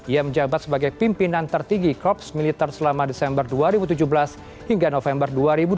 ia menjabat sebagai pimpinan tertinggi korps militer selama desember dua ribu tujuh belas hingga november dua ribu delapan belas